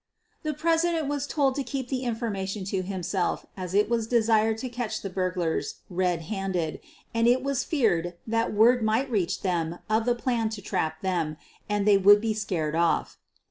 The president was told to keep the information to himself as it was desired to catch the burglars red handed, and it was feared thai Ajrord might reach them of the plan to trap them and they would be scared off.